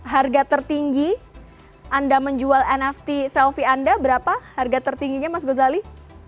harga tertinggi anda menjual nft selfie anda berapa harga tertingginya mas gozali